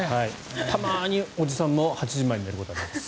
たまにおじさんも８時前に寝ることがあります。